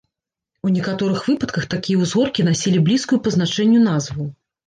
У некаторых выпадках такія ўзгоркі насілі блізкую па значэнню назву.